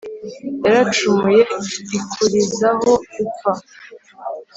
yaracumuye ikurizaho gupfa.